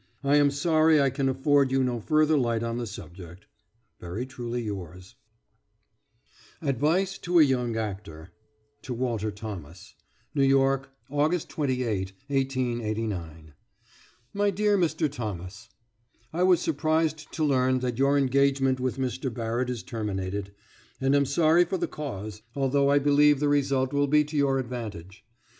I am sorry I can afford you no further light on the subject. Very truly yours, ADVICE TO A YOUNG ACTOR [TO WALTER THOMAS] NEW YORK, August 28, 1889. MY DEAR MR. THOMAS: I was surprised to learn that your engagement with Mr. Barrett is terminated, and am sorry for the cause, although I believe the result will be to your advantage.